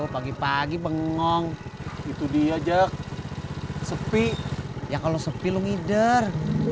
pagi pagi bengong itu dia jack sepi ya kalau sepi lu ngider